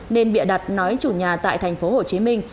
nên bịa đặt nói chủ nhà tại thành phố hồ chí minh